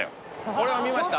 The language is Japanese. これは見ました？